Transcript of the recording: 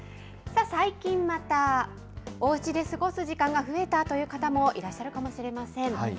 さあ、最近また、おうちで過ごす時間が増えたという方もいらっしゃるかもしれません。